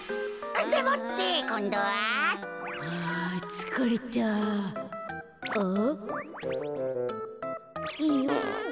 あつかれたお？